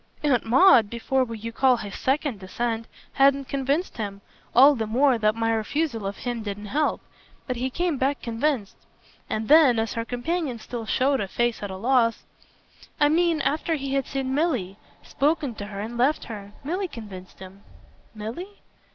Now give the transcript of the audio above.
Aunt Maud, before what you call his second descent, hadn't convinced him all the more that my refusal of him didn't help. But he came back convinced." And then as her companion still showed a face at a loss: "I mean after he had seen Milly, spoken to her and left her. Milly convinced him." "Milly?"